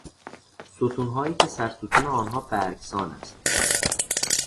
ستونهایی که سرستون آنها برگسان است.